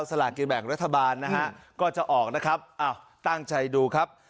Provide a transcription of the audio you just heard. ลากินแบ่งรัฐบาลนะฮะก็จะออกนะครับอ้าวตั้งใจดูครับ